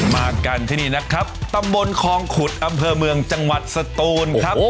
มากันที่นี่นะครับตำบลคองขุดอำเภอเมืองจังหวัดสตูนครับ